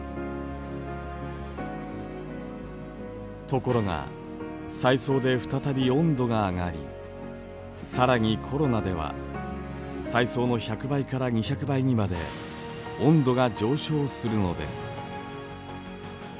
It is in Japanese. ところが彩層で再び温度が上がり更にコロナでは彩層の１００倍から２００倍にまで温度が上昇するのです。